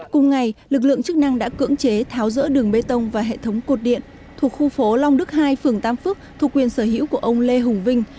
cùng ngày lực lượng chức năng đã cưỡng chế tháo rỡ đường bê tông và hệ thống cột điện thuộc khu phố long đức hai phường tam phước thuộc quyền sở hữu của ông lê hùng vinh